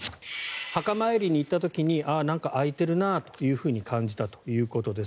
墓参りに行った時にああ、なんか空いているなと感じたということです。